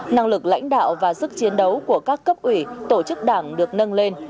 năng lực lãnh đạo và sức chiến đấu của các cấp ủy tổ chức đảng được nâng lên